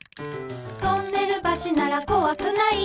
「トンネル橋ならこわくない」